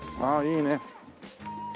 ああいいね。